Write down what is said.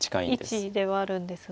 位置ではあるんですが。